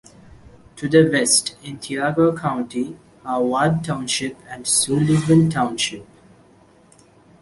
To the west, in Tioga County, are Ward Township and Sullivan Township.